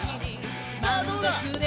さあどうだ？